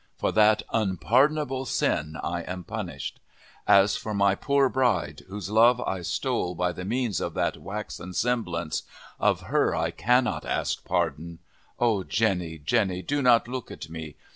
For that unpardonable sin I am punished. As for my poor bride, whose love I stole by the means of that waxen semblance, of her I cannot ask pardon. Ah, Jenny, Jenny, do not look at me.